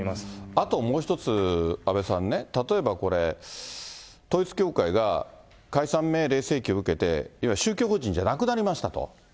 あともう一つ、阿部さんね、例えばこれ、統一教会が解散命令請求を受けて、宗教法人じゃなくなりましたと。